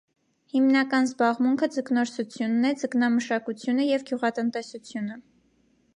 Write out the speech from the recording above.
Հիմնական զբաղմունքը ձկնորսությունն է, ձկնամշակությունը և գյուղատնտեսությունը։